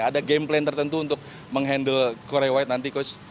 ada game plan tertentu untuk menghandle quara white nanti coach